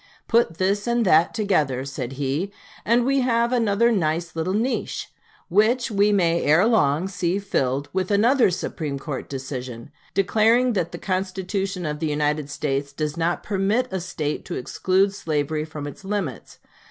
"Put this and that together," said he, "and we have another nice little niche, which we may ere long see filled with another Supreme Court decision, declaring that the Constitution of the United States does not permit a State to exclude slavery from its limits....